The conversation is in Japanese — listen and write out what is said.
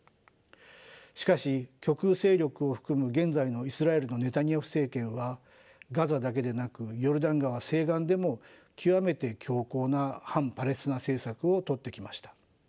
しかし極右勢力を含む現在のイスラエルのネタニヤフ政権はガザだけでなくヨルダン川西岸でも極めて強硬な反パレスチナ政策をとってきました。